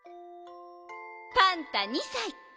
「パンタ２さい。